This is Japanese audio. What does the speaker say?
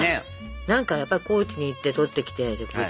何かやっぱ高知に行って採ってきて植物。